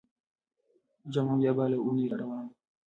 جمعه بيا بله اونۍ راروانه ده.